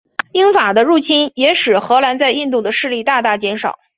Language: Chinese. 英法的入侵也使荷兰在印度的势力大大减少。